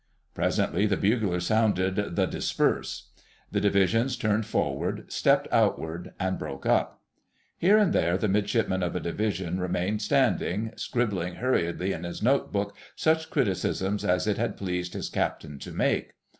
Presently the bugler sounded the "Disperse"; the Divisions turned forward, stepped outward, and broke up. Here and there the Midshipman of a Division remained standing, scribbling hurriedly in his note book such criticisms as it had pleased his Captain to make.